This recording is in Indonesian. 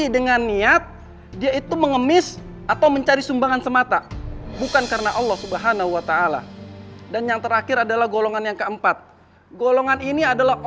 demikian tausya dari saya kurang lebihnya saya mohon maaf